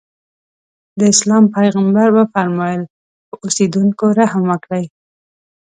د اسلام پیغمبر وفرمایل په اوسېدونکو رحم وکړئ.